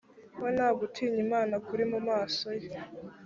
we nta gutinya imana kuri mu maso ye